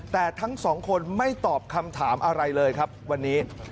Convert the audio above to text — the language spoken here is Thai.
แต่ทั้งสองคนไม่ตอบคำถามอะไรเลยครับวันนี้